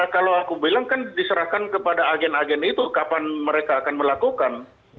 kalau aku bilang kan diserahkan kepada agen agen itu kapan mereka akan melakukan